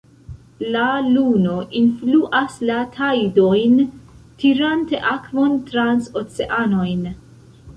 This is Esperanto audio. La luno influas la tajdojn, tirante akvon trans oceanojn.